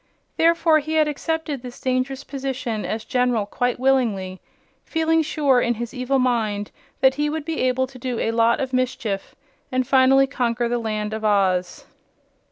Therefore he had accepted this dangerous position as General quite willingly, feeling sure in his evil mind that he would be able to do a lot of mischief and finally conquer the Land of Oz.